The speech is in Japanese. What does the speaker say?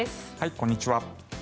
こんにちは。